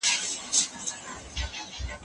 سم نیت خپګان نه خپروي.